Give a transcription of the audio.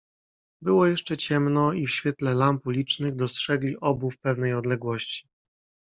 "Było jeszcze ciemno i w świetle lamp ulicznych dostrzegli obu w pewnej odległości."